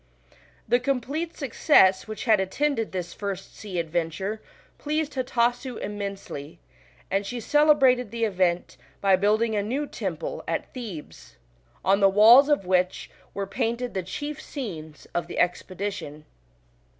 The complete success which had attended this first sea adventure pleased Hatasu immensely, and she celebrated the event by building a new temple at Thebes, on the walls of which were painted the chief scenes of the expedition.